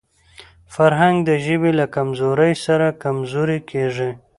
فرهنګ د ژبي له کمزورۍ سره کمزورې کېږي.